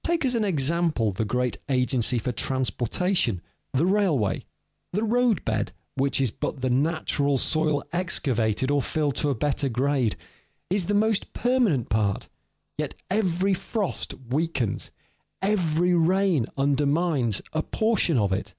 _ Take as an example the great agency for transportation, the railway. The roadbed, which is but the natural soil excavated or filled to a better grade, is the most permanent part; yet every frost weakens, every rain undermines, a portion of it.